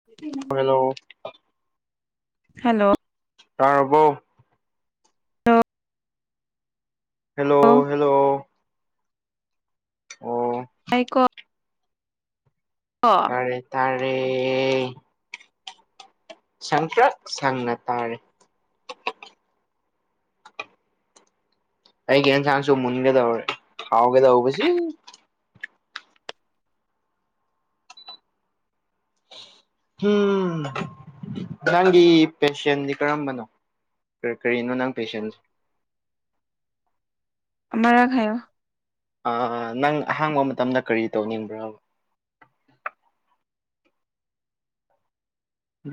ꯎ [unintelligible] hello hello ꯇꯥꯔꯔꯕꯔꯕꯣ ꯑ ꯍꯜꯂꯣ ꯍꯜꯂꯣ ꯑꯣ ꯑꯩꯥꯏꯀꯣ ꯇꯔꯦ ꯇꯥꯔꯦ ꯁꯪꯇ꯭ꯔꯛ ꯁꯪꯅ ꯇꯥꯔꯦ ꯑꯩꯒꯤ ꯌꯦꯟꯁꯥꯡꯁꯨ ꯃꯨꯟꯒꯗꯧꯔꯦ ꯍꯥꯎꯒꯗꯧꯕꯁꯤ ꯎꯝ ꯅꯪꯒꯤ ꯄꯦꯁꯟꯗꯤ ꯀꯔꯝꯕꯅꯣ ꯀꯔꯤꯅꯣ ꯅꯪ ꯄꯦꯁꯦꯟꯁꯦ ꯑꯃꯥꯔꯛ ꯍꯥꯏꯌꯣ ꯅꯪ ꯑꯍꯥꯡꯕ ꯃꯇꯝꯗ ꯀꯔꯤ ꯇꯧꯅꯤꯡꯕ꯭ꯔꯣ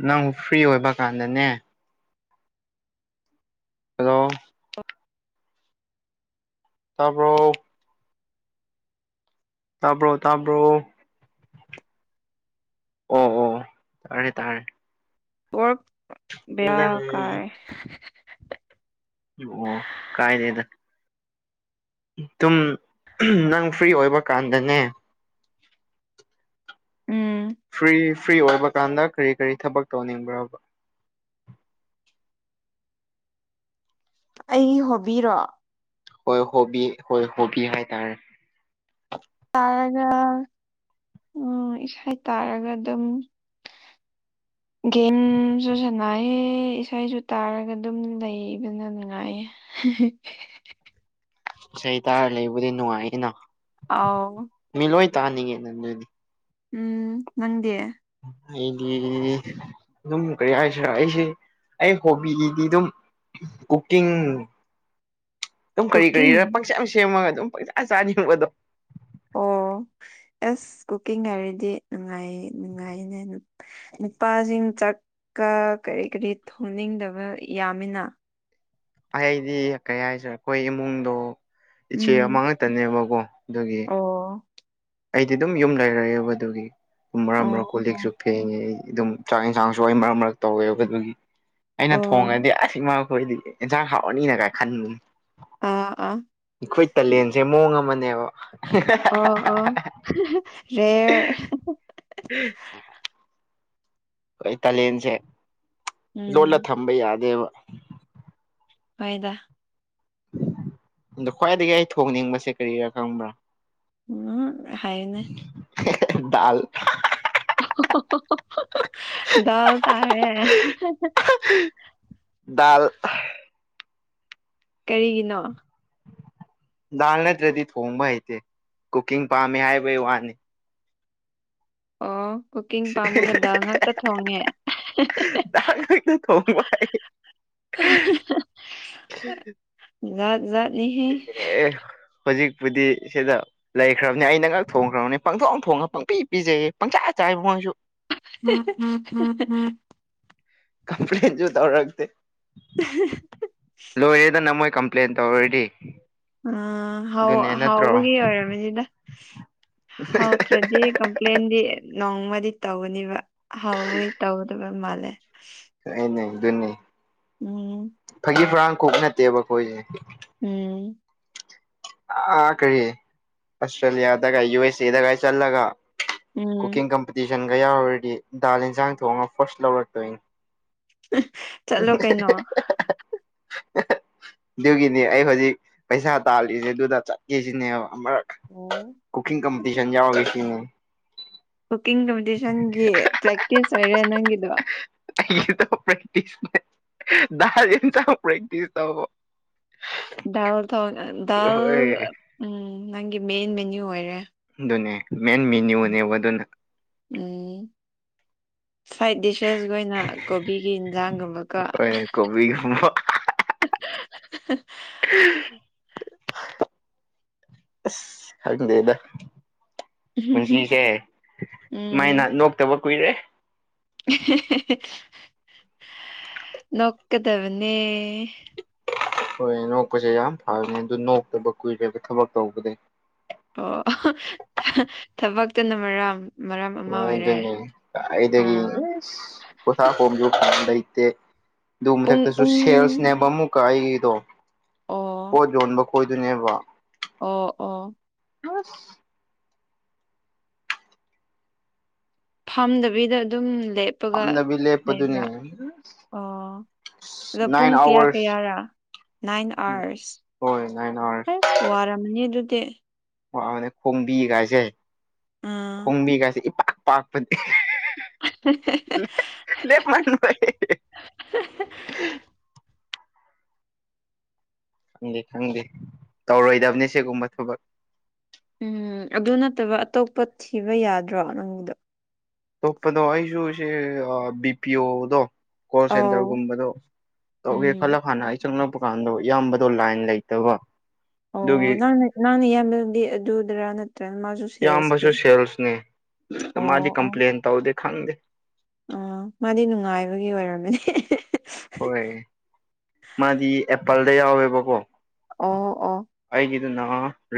ꯅꯪꯕꯨ ꯐ꯭ꯔꯤ ꯑꯣꯏꯕ ꯀꯥꯟꯗꯅꯦ ꯍꯂꯣ ꯇꯥꯕꯔꯣ ꯇꯥꯕ꯭ꯔꯣ ꯇꯥꯕ꯭ꯔꯣ ꯑꯣ ꯑꯣ ꯇꯥꯔꯦ ꯇꯥꯔꯦ ꯅꯪ [unintelligible] ꯑꯣ ꯀꯥꯏꯗꯦꯗ ꯑꯗꯨꯝ ꯅꯪ ꯐ꯭ꯔꯤ ꯑꯣꯏꯕꯀꯥꯟꯗꯅꯦ ꯎꯝ ꯐ꯭ꯔꯤ ꯐ꯭ꯔꯤ ꯑꯣꯏꯕ ꯀꯥꯟꯗ ꯀꯔꯤ ꯀꯔꯤ ꯊꯕꯛ ꯇꯧꯅꯤꯡꯕ꯭ꯔꯕꯥ ꯑꯩ ꯍꯣꯕꯤꯔꯣ ꯍꯣꯏ ꯍꯣꯕꯤ ꯍꯣꯏ ꯍꯣꯕꯤ ꯍꯥꯏꯇꯥꯔꯦ꯫ ꯇꯥꯔꯒ ꯎꯝ ꯏꯁꯩ ꯇꯥꯔꯒ ꯑꯗꯨꯝ [inaudible] ꯒꯦꯝꯁꯨ ꯁꯥꯟꯅꯥꯏꯌꯦ ꯏꯁꯩꯁꯨ ꯇꯥꯔꯒ ꯑꯗꯨꯝ ꯂꯩꯕꯅ ꯅꯨꯡꯉꯥꯏꯌꯦ [unintelligible] ꯏꯁꯩ ꯇꯥꯔ ꯂꯩꯕꯗꯤ ꯅꯨꯡꯉꯥꯏꯌꯦꯅ ꯑꯥꯎ ꯃꯤ ꯂꯣꯏ ꯇꯥꯅꯤꯡꯉꯦ ꯅ ꯑꯗꯨꯗꯤ ꯎꯝ ꯅꯪꯗꯤ ꯑꯩꯗꯤ ꯑꯗꯨꯝ ꯀꯔꯤ ꯍꯥꯏꯁꯤꯔꯥ ꯑꯩꯁꯦ ꯑꯩ ꯍꯣꯕꯤꯒꯤꯗꯤ ꯑꯗꯨꯝ ꯀꯨꯀꯤꯡ ꯑꯗꯨꯝ ꯀꯔꯤ ꯀꯨꯀꯤꯡ ꯀꯔꯤꯔ ꯄꯪꯁꯦꯝ ꯁꯦꯝꯃꯒ ꯑꯗꯨꯝ ꯄꯪꯆꯥ ꯆꯥꯅꯤꯡꯕꯗꯣ ꯑꯣ ꯑꯦꯁ ꯀꯨꯀꯤꯡ ꯍꯥꯏꯔꯗꯤ ꯅꯨꯡꯉꯥꯏꯌꯦ ꯅꯨꯡꯉꯥꯏꯅꯦ ꯅꯨꯄꯥꯁꯤꯡ ꯆꯥꯛꯀ ꯀꯔꯤ ꯀꯔꯤ ꯊꯣꯡꯅꯤꯡꯗꯕ ꯌꯥꯝꯃꯤꯅ ꯑꯩꯗꯤ ꯀꯩ ꯍꯥꯏꯁꯦ ꯑꯩꯈꯣꯏ ꯏꯃꯨꯡꯗꯣ ꯏꯆꯦ ꯎꯝ ꯑꯃ ꯉꯛꯇꯅꯦꯕꯀꯣ ꯑꯗꯨꯒꯤ ꯑꯣ ꯑꯩꯗꯤ ꯑꯗꯨꯝ ꯌꯨꯝ ꯂꯩꯔꯑꯦꯕ ꯑꯗꯨꯒꯤ ꯑꯗꯨꯨꯝ ꯃꯔꯛ ꯑꯣ ꯃꯔ ꯀꯣꯜ ꯑꯣ ꯂꯤꯛꯁꯨ ꯍꯦꯡꯉꯦ ꯑꯩ ꯑꯗꯨꯝ ꯆꯥꯛ ꯌꯦꯟꯁꯥꯡꯁꯨ ꯑꯩ ꯃꯔꯛ ꯃꯔꯛ ꯇꯧꯋꯦꯕ ꯑꯗꯨꯒꯤ ꯑꯩꯅ ꯑꯣ ꯊꯣꯡꯉꯗꯤ ꯑꯁꯤꯃꯛ ꯑꯩꯈꯣꯏꯗꯤ ꯑꯦꯟꯁꯥꯡ ꯍꯥꯎꯔꯅꯤꯅꯒꯥꯏ ꯈꯟꯕꯅꯤ ꯑꯥ ꯑꯥ ꯑꯩꯈꯣꯏ ꯄꯂꯦꯟꯁꯦ ꯃꯑꯣꯡ ꯑꯃꯅꯦꯕ ꯔꯦ [unintelligible] ꯑꯩꯣꯏ ꯇꯥꯂꯦꯟꯁꯦ ꯂꯣꯂ ꯎꯝ ꯊꯝꯕ ꯌꯥꯗꯦꯕ ꯍꯣꯏꯗ ꯑꯗꯣ ꯈ꯭ꯋꯥꯏꯗꯒꯤ ꯑꯩ ꯊꯣꯡꯅꯤꯡꯕꯁꯦ ꯀꯔꯤꯔꯥ ꯈꯪꯕ꯭ꯔꯥ ꯎꯝ ꯍꯥꯏꯅꯦ ꯗꯥꯜ ꯗꯥꯜ ꯇꯥꯔꯦ ꯗꯥꯜ ꯀꯔꯤꯒꯤꯅꯣ ꯗꯥꯜ ꯅꯠꯇ꯭ꯔꯗꯤ ꯊꯣꯡꯕ ꯍꯩꯇꯦ ꯀꯨꯀꯤꯡ ꯄꯥꯝꯃꯦ ꯍꯥꯏꯕꯩ ꯋꯥꯅꯤ ꯑꯣ ꯀꯨꯀꯤꯡ ꯄꯥꯝꯃꯒ ꯗꯥꯜ ꯉꯥꯛꯇ ꯊꯣꯡꯉꯦ ꯗꯥꯜ ꯉꯥꯛꯇꯥ ꯊꯣꯡꯕ ꯍꯩ ꯥꯖꯥꯠ ꯖꯥꯠꯅꯤꯍꯦ ꯑꯦ ꯍꯧꯖꯤꯛꯄꯨꯗꯤ ꯁꯤꯗ ꯂꯩꯈ꯭ꯔꯕꯅꯦ ꯑꯩꯅ ꯉꯥꯛ ꯊꯣꯡꯈ꯭ꯔꯕꯅꯤ ꯄꯪꯊꯣꯡ ꯊꯣꯡꯉꯒ ꯄꯪꯄꯤ ꯄꯤꯖꯩꯌꯦ ꯄꯪꯆꯥꯥ ꯆꯥꯏꯌꯦ ꯃꯣꯢꯁꯨ [unintelligible] ꯀꯝꯄ꯭ꯂꯦꯟꯖꯨ ꯇꯧꯔꯛꯇꯦ [unintelligible] ꯂꯣꯏꯔꯦꯗ ꯃꯣꯏ ꯀꯝꯄ꯭ꯂꯦꯟ ꯇꯧꯔꯗꯤ ꯑ ꯍꯥꯎ ꯑꯗꯨꯅꯦ ꯅꯠꯇ꯭ꯔꯣ ꯍꯥꯎꯕꯒꯤ ꯑꯣꯢꯌꯔꯝꯒꯅꯤꯗ ꯍꯧꯗ꯭ꯔꯗꯤ ꯀꯝꯄ꯭ꯂꯦꯟꯗꯤ ꯅꯣꯡꯃꯗꯤ ꯇꯧꯒꯅꯤꯕ ꯍꯥꯎꯣꯏ ꯇꯧꯗꯕꯝ ꯃꯥꯂꯦ ꯑꯅꯦ ꯑꯗꯨꯅꯤ ꯎꯝ ꯐꯥꯒꯤ ꯐꯣꯔꯥꯡ ꯀꯨꯛ ꯅꯠꯇꯦꯕ ꯑꯩꯈꯣꯏꯁꯦ ꯎꯝ ꯥ ꯀꯔꯤꯌꯦ ꯑꯁꯇ꯭ꯔꯦꯂꯤꯌꯥꯗꯒ ꯌꯨ ꯑꯦꯁ ꯑꯦꯗꯒ ꯆꯠꯂꯒ ꯎꯝ ꯀꯨꯀꯤꯡ ꯀꯝꯄꯤꯇꯤꯁꯟꯒ ꯌꯥꯎꯔꯨꯔꯗꯤ ꯗꯥꯜ ꯏꯟꯁꯥꯡ ꯊꯣꯡꯉꯒ ꯐꯥꯔꯁ ꯂꯧꯔꯛꯇꯣꯏꯅꯤ ꯆꯠꯂꯣ [unintelligible] ꯀꯩꯅꯣ ꯑꯗꯨꯒꯤꯅꯦ ꯑꯩ ꯍꯧꯖꯤꯛ ꯄꯩꯁꯥ ꯇꯥꯜꯂꯤꯁꯦ ꯑꯗꯨꯗ ꯆꯠꯀꯦꯁꯤꯅꯦꯕ ꯀꯨꯀꯤꯡ ꯀꯝꯄꯤꯇꯤꯁꯟ ꯌꯥꯎꯔꯨꯒꯦ ꯁꯤꯅꯤ ꯀꯨꯀꯤꯡ ꯀꯝꯄꯤꯇꯤꯁꯟꯒꯤ ꯄ꯭ꯔꯦꯛꯇꯤꯁ ꯑꯣꯏꯔꯦ ꯅꯪꯒꯤꯗꯣ ꯑꯩꯗ ꯄꯦꯛꯇꯤꯁ ꯗꯗꯥ ꯌꯦꯟꯆꯥꯡ ꯄꯦꯛꯇꯤꯁ ꯇꯧ ꯗꯗꯥꯜ ꯇ ꯗꯗꯥꯥꯜ ꯍꯣꯏ ꯎꯝ ꯅꯪꯒꯤ ꯃꯦꯟ ꯃꯦꯅꯨ ꯑꯣꯏꯔꯦ ꯑꯗꯨꯅꯦ ꯃꯦꯟ ꯃꯦꯅ꯭ꯌꯨꯅꯦꯕ ꯑꯗꯨꯅ ꯎꯝ ꯁꯋꯥꯏꯠ ꯗꯤꯁꯦꯁꯈ ꯑꯣꯏꯅ ꯀꯣꯕꯤꯒꯤ ꯏꯟꯖꯥꯡꯒꯨꯝꯕꯀ ꯍꯣꯏ ꯀꯣꯕꯤꯒꯨꯝꯕ ꯎ ꯈꯪꯗꯦꯗ ꯄꯨꯟꯁꯤꯁꯦ ꯎꯝ ꯁꯨꯃꯥꯏꯅ ꯅꯣꯛꯇꯕ ꯀꯨꯏꯔꯦ ꯅꯣꯛꯀꯗꯕꯅꯦ ꯍꯣꯏ ꯅꯣꯛꯄꯁꯦ ꯌꯥꯝ ꯐꯕꯅꯦ ꯑꯗꯨ ꯅꯣꯛꯇꯕ ꯀꯨꯏꯔꯒ ꯊꯕꯛ ꯇꯧꯕꯗꯩ ꯑꯣ ꯊꯕꯛꯇꯨꯅ ꯃꯔꯝ ꯃꯔꯝ ꯑꯃ ꯃꯣꯏ ꯑꯣꯏꯔꯦ ꯑꯗꯨꯅꯦ ꯑꯩꯗꯒꯤ ꯑꯥ ꯄꯣꯊꯥ ꯈꯣꯁꯨ ꯂꯩꯇꯦ ꯑꯗꯨ ꯄꯨꯡ ꯃꯊꯛꯇꯁꯨ ꯄꯨꯡ ꯁꯦꯜꯁꯅꯦꯕ ꯑꯃꯨꯛꯀ ꯑꯩꯒꯤꯗꯣ ꯑꯣ ꯄꯣꯠ ꯌꯣꯟꯕ ꯑꯣꯏꯗꯣꯏꯅꯦꯕ ꯑꯣ ꯑꯣ ꯍꯁ ꯐꯝꯗꯕꯤꯗ ꯑꯗꯨꯝ ꯂꯦꯞꯄꯒ ꯐꯝꯗꯕꯤ ꯂꯦꯞꯄꯗꯨꯅꯦ ꯂꯩꯕ꯭ꯔꯥ ꯑꯣ ꯑꯗ ꯅꯥꯏꯟ ꯄꯨꯡ ꯀꯌꯥ ꯑꯋꯥꯔꯁ ꯀꯌꯥꯔꯥ ꯅꯥꯏꯟ ꯑꯥꯋꯥꯔꯁ ꯍꯣꯏ ꯅꯥꯏꯟ ꯑꯋꯥꯔꯁ ꯋꯥꯔ ꯃꯅꯤ ꯑꯗꯨꯗꯤ ꯋꯥꯅ ꯈꯣꯡꯕꯤꯒꯥꯏꯁꯦ ꯑꯥ ꯈꯣꯡꯕꯤꯒꯥꯏꯁꯦ ꯏꯄꯥꯛꯄꯥꯛꯄꯅꯦ ꯎ ꯂꯃ ꯈꯪꯗꯦ ꯈꯪꯗꯦ ꯇꯧꯔꯣꯏꯗꯕꯅꯤ ꯁꯤꯒꯨꯝꯕ ꯊꯕꯛ ꯎꯝ ꯑꯗꯨ ꯅꯠꯇꯕ ꯑꯇꯣꯞꯄ ꯊꯤꯕ ꯌꯥꯗ꯭ꯔꯣ ꯅꯪꯒꯤꯗꯣ ꯑ ꯇꯣꯞꯄꯗꯣ ꯑꯩꯁꯨ ꯁꯤꯦ ꯕꯤ ꯄꯤ ꯑꯣꯗꯣ ꯀꯣꯜ ꯑꯧ ꯁꯦꯟꯇꯔꯒꯨꯝꯕꯗꯣ ꯇꯧꯒꯦ ꯈꯜꯂ ꯎꯝ ꯍꯥꯟꯅ ꯑꯩꯁ ꯆꯪꯂꯛꯄ ꯀꯥꯟꯗꯣ ꯏꯌꯥꯝꯕꯗꯣ ꯂꯥꯏꯟ ꯂꯩꯇꯕ ꯑꯗꯨꯒꯤ ꯑꯣ ꯅꯪꯅ ꯅꯪꯅ ꯏꯌꯥꯝꯕꯗꯤ ꯑꯗꯨꯗꯔꯥ ꯅꯠꯇ꯭ꯔꯅ ꯃꯥꯁꯨ ꯁꯦꯜꯁꯀꯤ ꯏꯌꯥꯝꯕꯁꯨ ꯁꯦꯜꯁꯅꯤ ꯑ ꯃꯥꯗꯤ ꯑꯣ ꯀꯝꯄ꯭ꯂꯦꯟ ꯇꯧꯗꯦ ꯈꯪꯗꯦ ꯑꯣ ꯃꯥꯗꯤ ꯅꯨꯡꯉꯥꯏꯕꯒꯤ ꯑꯣꯏꯔꯝꯃꯤꯅꯦ ꯍꯣꯏ ꯃꯥꯗꯤ ꯑꯦꯄꯜꯗ ꯌꯥꯎꯋꯦꯕꯀꯣ ꯑꯣ ꯑꯣ ꯑꯩꯒꯤꯗꯨꯅ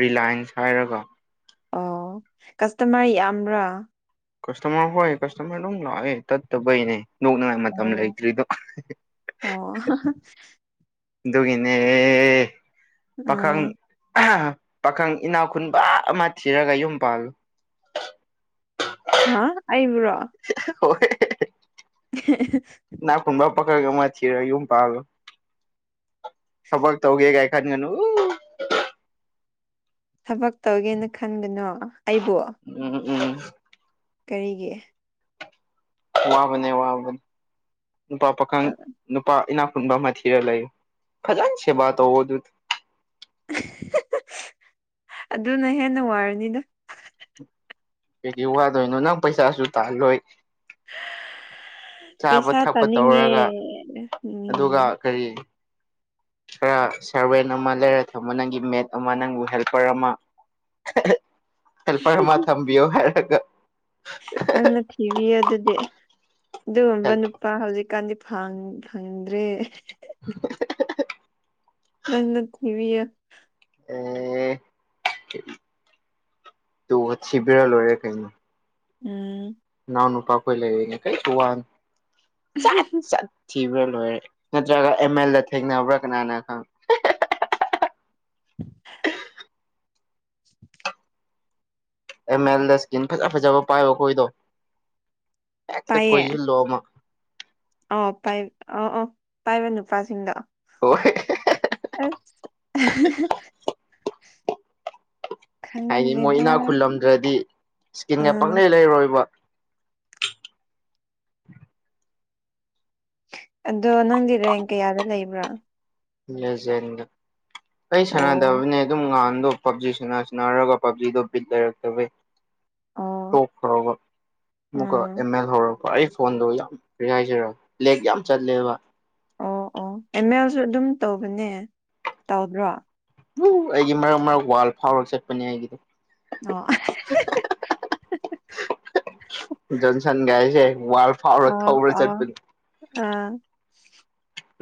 ꯔꯤꯂꯥꯏꯟꯁ ꯍꯥꯏꯔꯒ ꯑꯣ ꯀꯁꯇꯃꯔ ꯌꯥꯝꯕ꯭ꯔꯥ ꯀꯁꯇꯃꯔ ꯍꯣꯣꯏ ꯀꯁꯇꯃꯔ ꯂ ꯇꯇ ꯩꯅꯦ ꯅꯣꯛꯅꯉꯥꯏ ꯃꯇꯝ ꯑꯣ ꯂꯩꯇ꯭ꯔꯤꯗꯣ ꯑꯣ ꯑꯗꯨꯒꯤꯅꯦ ꯄꯥꯈꯪ ꯑꯥ ꯄꯥꯈꯪ ꯏꯅꯥꯎ ꯈꯨꯨꯟꯕ ꯑꯃ ꯊꯤꯔꯒ ꯌꯨꯝ ꯄꯥꯜꯂꯨ ꯍꯥ ꯑꯩꯕ꯭ꯔꯣ ꯍꯣꯢ [inaudible] ꯅꯥꯈꯨꯕ ꯄꯛꯔꯒ ꯃꯥ ꯊꯔꯑꯣ ꯏ ꯄꯥꯜꯂꯣ ꯊꯕꯛ ꯇꯧꯒꯦ ꯀꯥꯏ ꯈꯥꯟꯒꯅ ꯊꯕꯛ ꯇꯧꯒꯦꯅ ꯈꯟꯕꯅꯣ ꯑꯩꯕꯨ ꯎꯝ ꯎꯝ ꯀꯔꯤꯒꯤ ꯋꯥꯕꯅꯦ ꯋꯥꯕꯅꯦ ꯅꯨꯄꯥ ꯄꯥꯈꯪ ꯅꯨꯄꯥ ꯏꯅꯥꯛ ꯈꯨꯨꯟꯕ ꯑꯃ ꯊꯤꯔꯒ ꯂꯩ ꯐꯖꯟꯁꯦꯕ ꯇꯧꯋꯣꯗꯨ ꯑꯗꯨꯅ ꯍꯦꯟꯅ ꯋꯥꯔꯅꯤꯗ ꯀꯩꯗꯤ ꯋꯥꯗꯣꯏꯅꯣ ꯅꯪ ꯄꯩꯁꯥꯁꯨ ꯇꯥꯍꯜꯂꯣꯏ ꯆꯥꯕ ꯄꯩꯁꯥ ꯊꯛꯄ ꯇꯥꯅꯤꯡꯉꯦ ꯇꯧꯔꯒ ꯑꯗꯨꯒ ꯎꯝ ꯀꯔꯤ ꯈꯔ ꯁꯔꯚꯦꯟ ꯑꯃ ꯂꯩꯔ ꯊꯝꯕ ꯅꯪꯒꯤ ꯃꯦꯠ ꯑꯃ ꯅꯪꯕꯨ ꯍꯦꯜꯄꯔ ꯑꯃ ꯍꯜꯄꯔ ꯃꯥ ꯊꯝꯕꯤꯣ ꯍꯥꯏꯔꯒ ꯅꯪꯅ ꯊꯤꯕꯤ ꯑꯗꯨꯗꯤ ꯑꯗꯨꯒꯨꯝꯕ ꯅꯨꯄꯥ ꯍꯧꯖꯤꯛꯀꯥꯟꯗꯤ ꯐꯪꯗ꯭ꯔꯦ ꯍ ꯅꯪꯅ ꯊꯤꯕꯤꯌꯣ ꯑꯦ ꯇ ꯁꯤꯕꯤꯔ ꯂꯣꯏꯔꯦ ꯀꯩꯅꯣ ꯎꯝ ꯅꯅꯥꯎ ꯅꯨꯄꯥꯈꯣꯏ ꯂꯩꯅꯦ ꯀꯩ ꯊꯨ ꯋꯥꯔꯨꯅꯨ ꯊꯤꯕ꯭ꯔꯥ ꯂꯣꯏꯔꯦ ꯅꯠꯇ꯭ꯔꯒ ꯑꯦꯝ ꯑꯦꯜꯗ ꯊꯦꯡꯅꯕ꯭ꯔꯥ ꯀꯅꯥꯅ ꯈꯪꯕꯔꯣ [inaudible] [inaudible] ꯑꯦꯝ ꯑꯦꯜꯗ ꯏꯁꯀꯤꯟ ꯐꯖ ꯐꯖꯕ ꯄꯥꯏꯌꯣ ꯑꯩꯈꯣꯏꯗꯣ ꯍꯦꯛꯇ ꯀꯣꯏꯁꯤꯜꯂꯣ ꯑꯃ ꯑ ꯄꯥꯏ ꯑ ꯑ ꯄꯥꯏꯕ ꯅꯨꯄꯥꯁꯤꯡꯗ ꯍꯣꯢ ꯑ [unintelligible] ꯍꯥꯏꯗꯤ ꯃꯣꯏ ꯏꯅꯥꯛ ꯈꯨꯜꯂꯝꯗ꯭ꯔꯗꯤ ꯏꯁꯀꯤꯟꯒ ꯎꯝ ꯄꯪꯅꯩ ꯂꯩꯔꯣꯏꯕ ꯑꯗꯣ ꯅꯪꯗꯤ ꯔꯦꯡ ꯀꯌꯥꯗ ꯂꯩꯕ꯭ꯔꯥ? ꯂꯦꯖꯦꯟꯗ ꯑꯩ ꯑꯣ ꯁꯥꯟꯅꯗꯕꯅꯦ ꯑꯗꯨꯝ ꯉꯥꯟꯗꯣ ꯄꯞꯖꯤ ꯁꯅꯥ ꯁꯅꯥꯔꯒ ꯄꯞꯖꯤꯗꯣ ꯕꯤꯠ ꯂꯩꯔꯛꯇꯕ ꯑꯣ ꯇꯣꯈꯔ꯭ꯕ ꯑꯃꯨꯛ ꯎꯝ ꯃꯜ ꯍꯥꯎꯔꯕ ꯑꯩ ꯐꯣꯟꯗꯣ ꯌꯥꯝ ꯀꯔꯤ ꯍꯥꯏꯁꯤꯔꯥ ꯂꯦꯛ ꯌꯥꯝ ꯆꯠꯂꯦꯕ ꯑꯣ ꯑꯣ ꯑꯦꯝ ꯑꯦꯜꯁꯨ ꯑꯗꯨꯝ ꯇꯧꯕꯅꯦ ꯇꯧꯗ꯭ꯔꯣ? ꯎ ꯑꯩꯒꯤ ꯃꯔꯛ ꯃꯔꯛ ꯋꯥꯔꯜ ꯐꯥꯎꯔꯒ ꯆꯠꯄꯅꯦ ꯑꯩꯒꯤꯗꯣ ꯑꯣ ꯖꯣꯟꯁꯟꯒꯥꯏꯁꯦ ꯋꯥꯔꯜ ꯐꯥꯎꯔ ꯑꯣ ꯊꯧꯔ ꯑꯣ ꯆꯠꯄꯅꯤ ꯑꯥ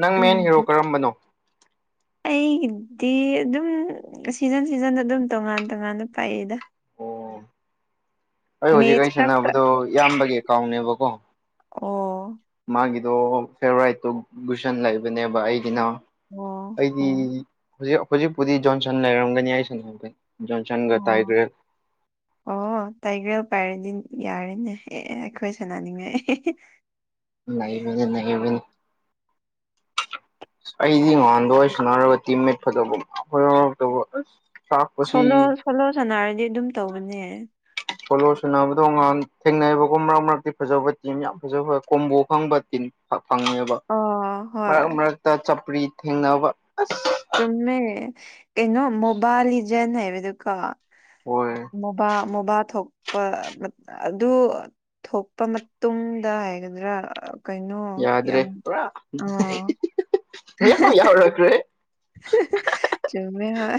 ꯅꯪ ꯎꯝ ꯃꯦꯟ ꯍꯤꯔꯣ ꯀꯔꯝꯕꯅꯣ? ꯑꯩꯒꯤꯗꯤ ꯑꯗꯨꯝ ꯁꯤꯖꯟ ꯁꯤꯖꯟꯗ ꯑꯗꯨꯝ ꯇꯣꯉꯥꯟ ꯇꯣꯉꯥꯟꯅ ꯄꯥꯌꯦꯗ ꯑꯣ ꯑꯩ ꯍꯧꯖꯤꯛ ꯃꯦꯠꯁ ꯑꯩ ꯈꯛꯇ ꯁꯥꯟꯅꯕꯗꯣ ꯏꯌꯥꯝꯕꯒꯤ ꯑꯦꯀꯥꯎꯟꯅꯦꯕꯀꯣ ꯑꯣ ꯃꯥꯒꯤꯗꯣ ꯐꯦꯚꯣꯔꯥꯏꯠꯇꯣ ꯒꯨꯁꯟ ꯂꯩꯕꯅꯦꯕ ꯑꯩꯒꯤꯅ ꯑꯣ ꯑꯩꯗꯤ ꯎꯝ ꯍꯧꯖꯤꯛ ꯍꯧꯖꯤꯛꯄꯨꯗꯤ ꯖꯣꯟꯁꯟ ꯂꯩꯔꯝꯒꯅꯤ ꯑꯩ ꯁ ꯈꯩ ꯖꯣꯟꯁꯟꯒ ꯑꯣ ꯇꯥꯏꯒ꯭ꯔꯦꯜ [inaudible] ꯑꯣ ꯇꯥꯏꯒꯔ ꯄꯥꯏꯔꯗꯤ ꯌꯥꯔꯦꯅꯦ ꯑꯦ ꯑꯩꯈꯣꯏ ꯁꯅꯅꯤꯡꯉꯥꯏ ꯂꯩꯕꯅꯤ ꯂꯩꯕꯅꯤ ꯑꯩꯗꯤ ꯉꯍꯥꯟꯗ ꯋꯥꯔꯤ ꯁꯨꯅꯔꯒ ꯇꯤꯝꯃꯦꯠ ꯐꯖꯕꯛꯇ ꯑꯁ ꯇꯥꯛꯄꯁꯤ ꯁꯣꯅꯣ ꯁꯣꯅꯣ ꯁꯥꯟꯅꯔꯗꯤ ꯑꯗꯨꯝ ꯇꯧꯕꯅꯦ ꯁꯣꯂꯣ ꯁꯨꯅꯕꯗꯣ ꯉꯥꯟ ꯊꯦꯡꯅꯔꯤꯕꯒꯨꯝ ꯃꯔꯛ ꯃꯔꯛꯇꯤ ꯐꯖꯕ ꯇꯤꯝ ꯌꯥꯝ ꯐꯖꯕ ꯐ ꯀꯣꯝꯕꯣ ꯈꯪꯕ ꯇꯤꯝ ꯐꯪꯉꯦꯕ ꯑ ꯍꯣꯏ ꯃꯔꯛ ꯃꯔꯛꯇ ꯆꯄ꯭ꯔꯤ ꯊꯦꯡꯅꯕ ꯑꯁꯥ ꯆꯨꯝꯃꯦ ꯀꯩꯅꯣ ꯃꯣꯕꯥꯜ ꯂꯤꯖꯟ ꯍꯥꯏꯕꯗꯨꯀꯣ ꯍꯣꯏ ꯃꯣꯕꯥ ꯃꯣꯕꯥ ꯊꯣꯛ ꯑꯗꯨ ꯊꯣꯛꯄ ꯃꯇꯨꯡꯗ ꯍꯥꯏꯒꯗ꯭ꯔꯥ ꯀꯩꯅꯣ ꯌꯥꯗ꯭ꯔꯦ ꯌꯥꯝ ꯄꯨꯔꯥ ꯑꯥ ꯃꯌꯥꯝ ꯌꯥꯎꯔꯛꯈ꯭ꯔꯦ ꯆꯃꯦ ꯍꯣꯏ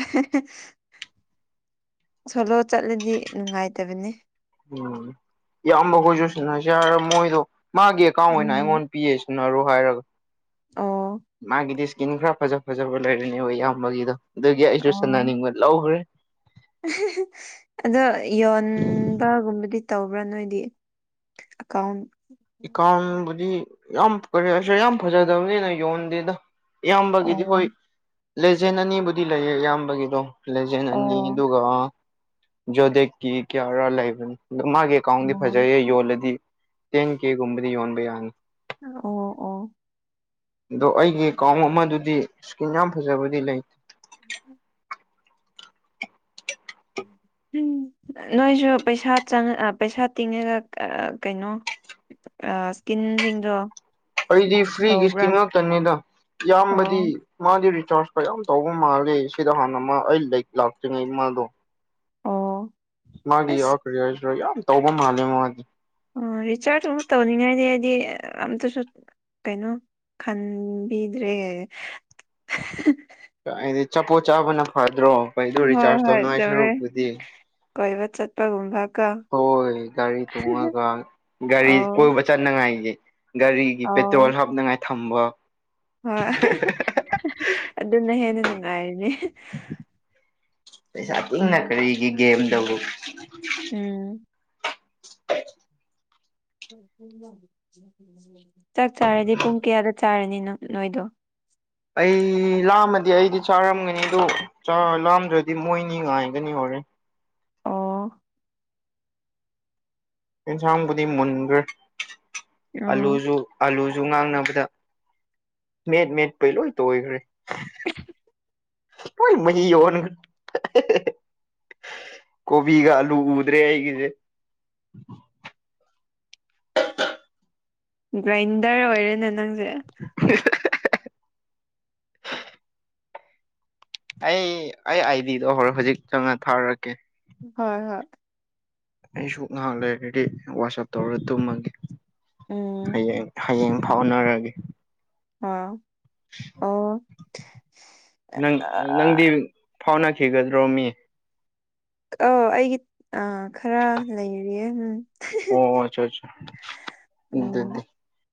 ꯁꯣꯂꯣ ꯆꯠꯂꯗꯤ ꯅꯨꯡꯉꯥꯏꯇꯕꯅꯤ꯫ ꯎꯝ ꯏꯌꯥꯝꯕ ꯒ꯭ꯔꯣꯖꯨꯋꯦꯁꯟ ꯍꯥꯏꯁ ꯌꯥꯔ ꯃꯣꯏꯗꯣ ꯃꯥꯒꯤ ꯑꯦꯀꯥꯎꯟ ꯑꯣꯏꯅ ꯎꯝ ꯑꯩꯉꯣꯟꯗ ꯄꯤꯌꯦ ꯁꯨꯅꯔꯣ ꯍꯥꯏꯔꯒ ꯑꯣ ꯃꯥꯒꯤꯗꯤ ꯏꯁꯀꯤꯟ ꯈꯔ ꯐꯖ ꯐꯖꯕ ꯂꯩꯔꯅꯦꯕ ꯏꯌꯥꯝꯕꯒꯤꯗꯣ ꯑꯗꯨꯒꯤ ꯑꯩꯁꯨ ꯑꯣ ꯁꯥꯟꯅꯅꯤꯡꯕ ꯂꯧꯈ꯭ꯔꯦ ꯑꯗꯣ ꯌꯣꯟꯕꯒꯨꯝꯕꯗꯤ ꯇꯧꯕ꯭ꯔꯥ ꯅꯣꯏꯗꯤ ꯑꯦꯀꯥꯎꯟ ꯏꯀꯥꯎꯕꯨꯗꯤ ꯌꯥꯝ ꯀꯔꯤꯁ ꯌꯥꯝ ꯐꯖꯗꯕꯅꯤꯅ ꯌꯣꯟꯗꯦꯗ ꯏꯌꯥꯝꯕꯒꯤꯗꯤ ꯑꯣ ꯍꯣꯏ ꯂꯦꯖꯦꯟ ꯑꯅꯤꯕꯨꯗꯤ ꯂꯩꯌꯦ ꯏꯌꯥꯝꯕꯒꯤꯗꯣ ꯂꯦꯖꯦꯟ ꯑꯅꯤ ꯑꯣ ꯑꯗꯨꯒ ꯖꯣꯗꯀꯤ ꯀꯤꯌꯥꯔꯥ ꯂꯕꯅꯤ ꯃꯥꯒꯤ ꯑꯦꯀꯥꯎꯟꯗꯤ ꯑꯣ ꯐꯖꯩꯌꯦ ꯌꯣꯜꯂꯗꯤ ꯇꯦꯟ ꯀꯦꯒꯨꯝꯕꯗꯤ ꯌꯣꯟꯕ ꯌꯥꯅꯤ꯫ ꯑꯣ ꯑꯣ ꯑꯗꯣ ꯑꯩꯒꯤ ꯑꯦꯀꯥꯎꯟ ꯑꯃꯗꯨꯗꯤ ꯏꯁꯀꯤꯟ ꯌꯥꯝ ꯐꯖꯕꯗꯤ ꯂꯩ꯫ [inaudible] [inaudible] ꯎꯝ ꯅꯣꯏꯁꯨ ꯄꯩꯁꯥ ꯆꯪ ꯄꯩꯁꯥ ꯇꯤꯡꯉꯒ ꯀꯩꯅꯣ ꯑꯥ ꯀꯤꯟꯁꯤꯡꯗꯣ ꯑꯩꯗꯤ ꯐ꯭ꯔꯤꯒꯤꯁꯇꯤꯉꯇꯅꯤꯗ ꯏꯌꯥꯝꯕꯗꯤ ꯑꯣ ꯃꯥꯗꯤ ꯔꯤꯆꯥꯔꯖ ꯀꯌꯥꯝ ꯇꯧꯕ ꯃꯥꯜꯂꯤ ꯁꯤꯗ ꯍꯥꯟꯅ ꯃꯥ ꯑꯩ ꯂꯩ ꯂꯥꯛꯇ꯭ꯔꯤꯉꯩ ꯃꯥꯗꯣ ꯑꯣ ꯃꯥꯒꯤ ꯑꯁ ꯌꯥꯎꯔꯈꯔꯤ ꯍꯥꯏꯁꯤꯔ ꯌꯥꯝ ꯇꯧꯕ ꯃꯥꯜꯂꯦ ꯃꯥꯗꯤ ꯑꯣ ꯔꯤꯆꯥꯔꯖ ꯑꯃꯨꯛ ꯇꯧꯅꯤꯡꯉꯥꯏꯗꯤ ꯍꯥꯏꯗꯤ ꯑꯝꯇꯁꯨ ꯀꯩꯅꯣ ꯈꯟꯕꯤꯗ꯭ꯔꯦ ꯍꯥꯏꯗꯤ ꯆꯄꯣꯠ ꯆꯥꯕꯅ ꯐꯗ꯭ꯔꯣ ꯑꯩꯩꯗꯣ ꯍꯣꯏ ꯔꯤꯆꯥꯔꯖ ꯍꯣꯏ ꯇꯧꯅꯉꯥꯏ ꯆꯨꯝꯃꯦ ꯁꯔꯨꯛꯄꯨꯗꯤ ꯀꯣꯏꯕ ꯆꯠꯄꯒꯨꯝꯕꯒ ꯍꯣꯏ ꯒꯥꯔꯤ ꯊꯣꯡꯉꯒ ꯒꯥꯔꯤ ꯑꯧ ꯀꯣꯏꯕ ꯆꯠꯅꯉꯥꯏꯒꯤ ꯒꯥꯔꯤꯒꯤ ꯄꯦꯇ꯭ꯔꯣꯜ ꯑꯧ ꯍꯥꯞꯅꯉꯥꯏ ꯊꯝꯕ ꯍꯣꯏ ꯑꯗꯨꯅ ꯍꯦꯟꯅ ꯅꯨꯡꯉꯥꯏꯅꯤ ꯄꯩꯁꯥ ꯇꯅ ꯀꯔꯤꯒꯤ ꯒꯦꯝꯗꯕꯨ ꯎꯝ ꯆꯥꯛ ꯆꯥꯔꯗꯤ ꯄꯨꯡ ꯀꯌꯥꯗ ꯆꯥꯔꯅꯤ ꯅꯣꯏꯗꯣ ꯑꯩ ꯂꯥꯝꯃꯗꯤ ꯑꯩꯗꯤ ꯆꯥꯔꯝꯒꯅꯤ ꯑꯗꯣ ꯆꯥ ꯂꯥꯝꯗ꯭ꯔꯗꯤ ꯃꯣꯏꯅꯤ ꯉꯥꯏꯒꯅꯤ ꯍꯣꯔꯦꯟ ꯑꯣ ꯌꯦꯟꯁꯥꯡꯕꯨꯗꯤ ꯃꯨꯟꯈ꯭ꯔꯦ ꯑꯣ ꯑꯂꯨꯁꯨ ꯑꯂꯨꯁꯨ ꯉꯥꯡꯅꯕꯗ ꯃꯦꯠ ꯃꯦꯠꯄꯩ ꯂꯣꯏ ꯇꯣꯏꯈ꯭ꯔꯦ [unintelligible] ꯂꯣꯏ ꯃꯍꯤ ꯑꯣꯟꯒ꯭ꯔꯦ ꯀꯣꯕꯤꯒ ꯑꯂꯨ ꯎꯗ꯭ꯔꯦ ꯑꯩꯒꯤꯁꯦ ꯒ꯭ꯔꯥꯏꯟꯗꯔ ꯑꯣꯏꯔꯦꯅꯦ ꯅꯪꯁꯦ [inaudible] ꯑꯩ ꯑꯩ ꯑꯥꯏꯗꯤꯗꯣ ꯍꯣꯔ ꯍꯧꯖꯤꯛ ꯆꯪꯉ ꯊꯥꯔꯛꯀꯦ ꯍꯣꯏ ꯍꯣꯏ ꯑꯩꯁꯨ ꯉꯥꯏꯍꯥꯛ ꯂꯩꯔꯒꯗꯤ ꯋꯥꯆꯞ ꯇꯧꯔꯒ ꯇꯨꯝꯃꯒꯦ ꯎꯝ ꯍꯌꯦꯡ ꯍꯌꯦꯡ ꯐꯥꯎꯅꯔꯒꯦ ꯑꯝ ꯑꯣ ꯅꯪ ꯅꯪꯗꯤ ꯐꯥꯎꯅꯈꯤꯒꯗ꯭ꯔꯣ ꯃꯤ ꯑ ꯑꯩꯒꯤ ꯑ ꯈꯔ ꯂꯩꯔꯤꯌꯦ ꯎꯝ ꯑꯣ ꯑꯆꯥ ꯑꯆꯥ ꯎꯝ ꯎꯗꯗꯤ